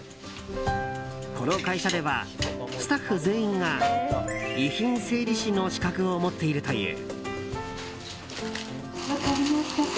この会社では、スタッフ全員が遺品整理士の資格を持っているという。